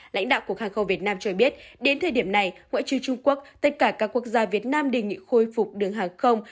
lãnh đạo cục hàng không việt nam cho biết đến thời điểm này ngoại trừ trung quốc tất cả các quốc gia việt nam đề nghị khôi phục đường hàng không